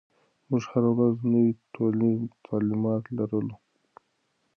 موږ هره ورځ نوي ټولنیز تعاملات لرو.